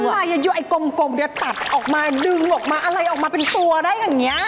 ลายเยอะไอ้กลมเนี่ยตัดออกมาดึงออกมาอะไรออกมาเป็นตัวได้อย่างนี้